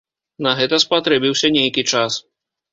На гэта спатрэбіўся нейкі час.